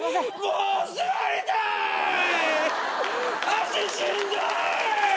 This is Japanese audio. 足しんどい！